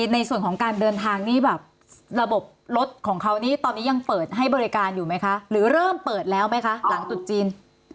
ในส่วนของการเดินทางนี่แบบระบบรถของเขานี่ตอนนี้ยังเปิดให้บริการอยู่ไหมคะหรือเริ่มเปิดแล้วไหมคะหลังตุดจีน